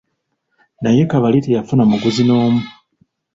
Naye Kabali teyafuna muguzi n'omu.